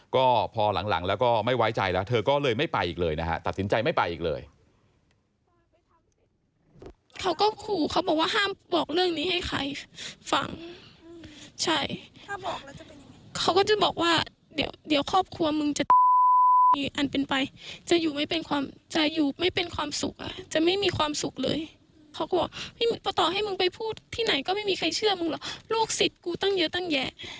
ก็พอหลังแล้วก็ไม่ไว้ใจแล้วเธอก็เลยไม่ไปอีกเลยนะฮะตัดสินใจไม่ไปอีกเลย